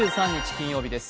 金曜日です。